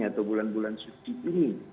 atau bulan bulan suci ini